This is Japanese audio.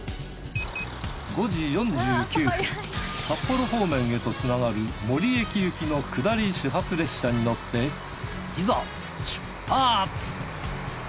札幌方面へとつながる森駅行きの下り始発列車に乗っていざ出発！